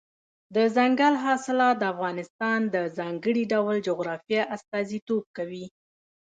دځنګل حاصلات د افغانستان د ځانګړي ډول جغرافیه استازیتوب کوي.